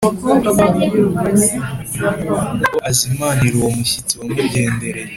ngo azimanire uwo mushyitsi wamugendereye